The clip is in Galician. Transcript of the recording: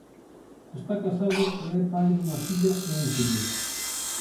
Está casado e é pai dunha filla e un fillo.